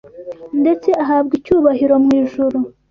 ndetse ahabwa icyubahiro mu ijuru